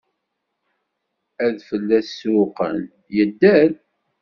Ad fell-as sewwqen, idder.